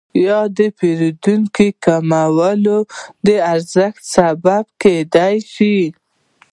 یا د پیرودونکو کموالی د ارزانښت سبب کیدای شي؟